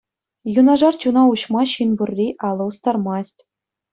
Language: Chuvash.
Юнашар чуна уҫма ҫын пурри алӑ устармасть.